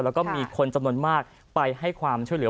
แล้วก็มีคนจำนวนมากไปให้ความช่วยเหลือ